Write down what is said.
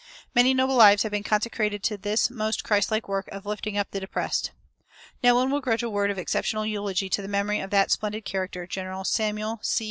Many noble lives have been consecrated to this most Christlike work of lifting up the depressed. None will grudge a word of exceptional eulogy to the memory of that splendid character, General Samuel C.